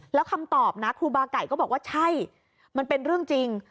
แล้วคำตอบนะครูบาไก่ก็บอกว่าใช่มันเป็นเรื่องจริง